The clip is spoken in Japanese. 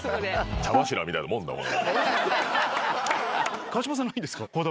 茶柱みたいなもんなんだ。